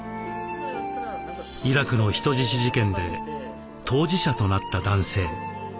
イラクの人質事件で当事者となった男性。